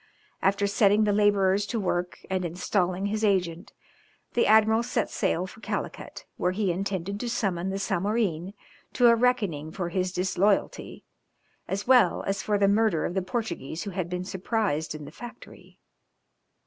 After setting the labourers to work, and installing his agent, the admiral set sail for Calicut, where he intended to summon the Zamorin to a reckoning for his disloyalty, as well as for the murder of the Portuguese who had been surprised in the factory.